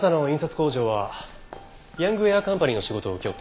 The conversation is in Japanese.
工場はヤングウェアカンパニーの仕事を請け負っている。